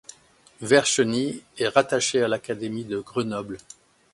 Vercheny est rattachée à l'académie de Grenoble.